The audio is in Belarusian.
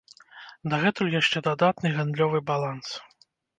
Дагэтуль яшчэ дадатны гандлёвы баланс.